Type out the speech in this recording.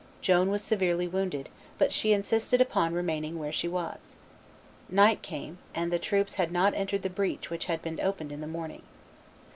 Joan was severely wounded, but she insisted upon remaining where she was. Night came, and the troops had not entered the breach which had been opened in the morning.